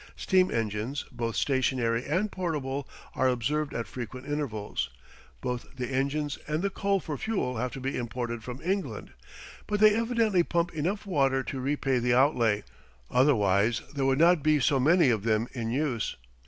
Steam engines, both stationary and portable, are observed at frequent intervals. Both the engines and the coal for fuel have to be imported from England; but they evidently pump enough water to repay the outlay, otherwise there would not be so many of them in use.